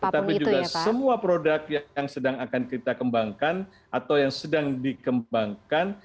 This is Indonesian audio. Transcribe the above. tetapi juga semua produk yang sedang akan kita kembangkan atau yang sedang dikembangkan